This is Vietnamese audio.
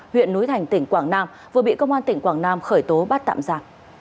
huyện núi thành tỉnh quảng nam vừa bị công an tỉnh quảng nam khởi tố bắt tạm giả